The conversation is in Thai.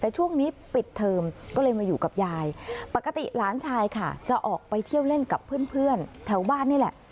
แต่ช่วงนี้ปิดเทอมก็เลยมาอยู่กับยายปกติหลานชายค่ะจะออกไปเที่ยวเล่นกับเพื่อนแถวบ้านนี่แหละ